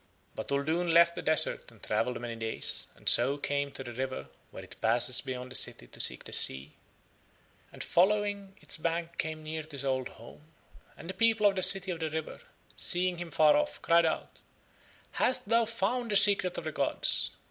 But Uldoon left the desert and travelled many days, and so came to the river where it passes beyond the city to seek the sea, and following its bank came near to his old home. And the people of the City by the River, seeing him far off, cried out: "Hast thou found the Secret of the gods?"